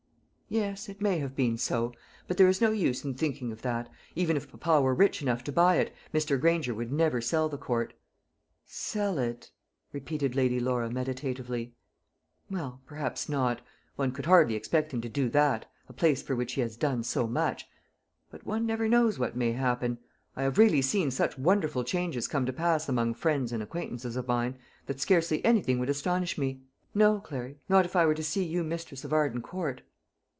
"Yes, it may have been so. But there is no use in thinking of that. Even if papa were rich enough to buy it, Mr. Granger would never sell the Court." "Sell it!" repeated Lady Laura, meditatively; "well, perhaps not. One could hardly expect him to do that a place for which he has done so much. But one never knows what may happen; I have really seen such wonderful changes come to pass among friends and acquaintances of mine, that scarcely anything would astonish me no, Clary, not if I were to see you mistress of Arden Court."